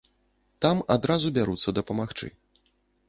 Там адразу бяруцца дапамагчы.